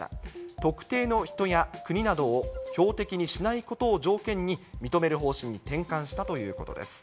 特定の人や国などを標的にしないことを条件に認める方針に転換したということです。